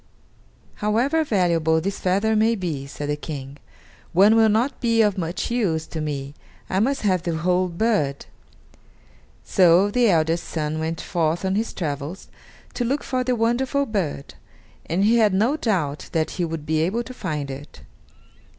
"However valuable this feather may be," said the King, "one will not be of much use to me I must have the whole bird." So the eldest son went forth on his travels, to look for the wonderful bird, and he had no doubt that he would be able to find it.